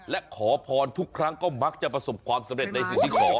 และขอพรทุกครั้งก็มักจะประสบความสำเร็จในสิ่งที่ขอ